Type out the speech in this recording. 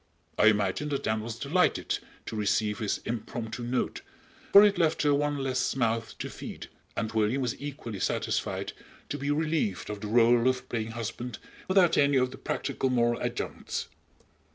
I imagine that Anne was delighted to receive his impromptu note, for it left her one less mouth to feed; and William was equally satisfied to be relieved of the rôle of playing husband without any of the practical moral adjuncts.